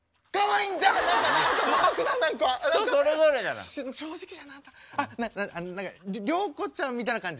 りょうこちゃんみたいな感じ？